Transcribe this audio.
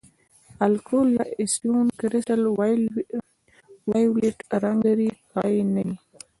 الکول یا اسیټون کرسټل وایولېټ رنګ لرې کړی نه وي.